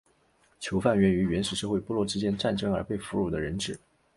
囚犯源于原始社会部落之间战争而被俘虏的人质。